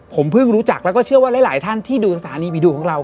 ผมเพิ่งรู้จักแล้วก็เชื่อว่าหลายท่านที่ดูสถานีผีดุของเรา